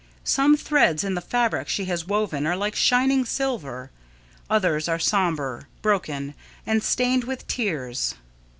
Some threads in the fabric she has woven are like shining silver; others are sombre, broken, and stained with tears.